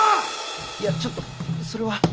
いやちょっとそれは。